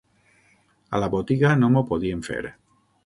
A la botiga no m'ho podien fer.